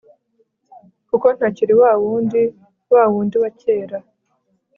kuko ntakiri wawundi wa wundi wa kera